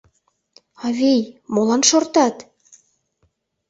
Авий, молан шортат?